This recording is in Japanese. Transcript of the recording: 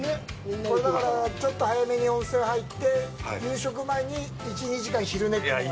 これ、だからちょっと早めに温泉入って夕食前に１２時間昼寝というのが。